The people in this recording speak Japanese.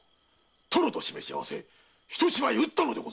殿と示し合わせひと芝居うったのでございます！